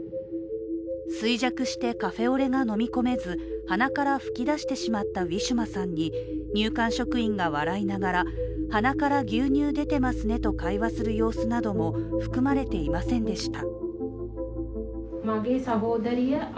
衰弱してカフェオレが飲み込めず鼻からふきだしてしまったウィシュマさんに入管職員が笑いながら、鼻から牛乳出てますねと会話する様子なども含まれていませんでした。